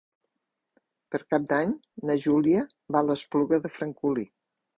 Per Cap d'Any na Júlia va a l'Espluga de Francolí.